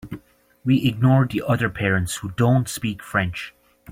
We ignore the other parents who don’t speak French.